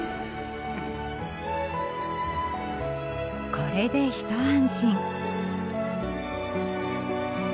これでひと安心。